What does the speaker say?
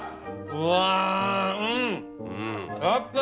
うわ！